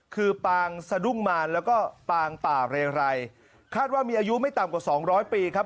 คือปางสะดุ้งมารแล้วก็ปางป่าเรไรคาดว่ามีอายุไม่ต่ำกว่าสองร้อยปีครับ